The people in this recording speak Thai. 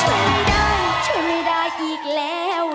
ช่วยได้ช่วยไม่ได้อีกแล้ว